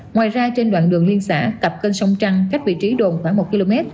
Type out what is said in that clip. ngoài ra trên đoạn đường liên xã cặp kênh sông trăng cách vị trí đồn khoảng một km